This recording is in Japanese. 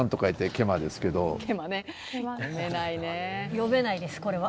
読めないですこれは。